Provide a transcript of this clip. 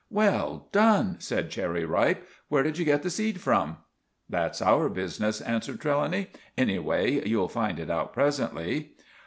"Well done!" said Cherry Ripe. "Where did you get the seed from?" "That's our business," answered Trelawny. "Anyway, you'll find it out presently."